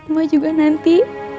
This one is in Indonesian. mak juga nanti